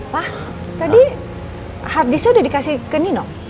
pak tadi hardisnya udah dikasih ke nino